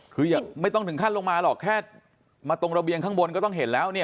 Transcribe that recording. คือยังไม่ต้องถึงขั้นลงมาหรอกแค่มาตรงระเบียงข้างบนก็ต้องเห็นแล้วเนี่ย